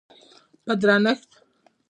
په درنښت